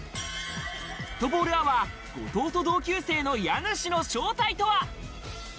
フットボールアワー・後藤と同級生の家主の正体とは？